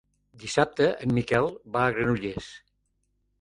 Dissabte en Miquel va a Granollers.